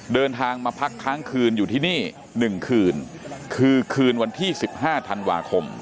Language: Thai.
เดินทางมาพักทั้งคืนอยู่ที่นี่หนึ่งคืนคือคืนวันที่สิบห้าธันวาคม